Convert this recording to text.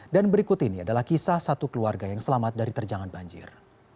dan berikut ini adalah kisah satu keluarga yang selamat dari terjangan banjir